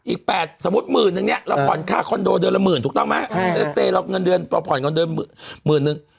อีก๘สมมุติหมื่นนึงเนี่ยเราผ่อนค่าคอนโดเดือนละหมื่นถูกต้องไหมเอสเตย์เราเงินเดือนเราผ่อนเงินเดือนหมื่นนึง